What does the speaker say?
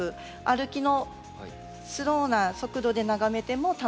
歩きのスローな速度で眺めても楽しめる。